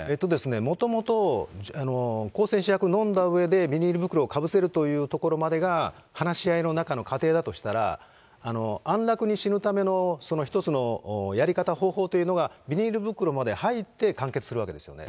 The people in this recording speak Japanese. もともと向精神薬を飲んだうえでビニール袋をかぶせるというところまでが、話し合いの中の過程だとしたら、安楽に死ぬためのその一つのやり方、方法というのが、ビニール袋まで入って完結するわけですよね。